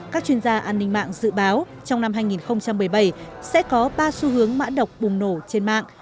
các chuyên gia an ninh mạng dự báo trong năm hai nghìn một mươi bảy sẽ có ba xu hướng mã độc bùng nổ trên mạng